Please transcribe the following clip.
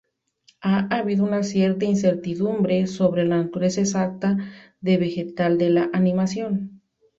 Ha habido una cierta incertidumbre sobre la naturaleza exacta del vegetal en la animación.